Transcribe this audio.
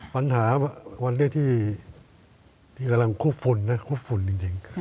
ปัญหาวันนี้ที่กำลังคุบฝุ่นนะคุบฝุ่นจริง